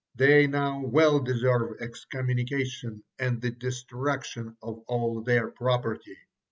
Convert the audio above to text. They now well deserve excommunication, and the destruction of all their property.